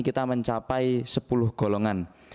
kita mencapai sepuluh golongan